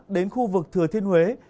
đến khu vực thừa thiên huế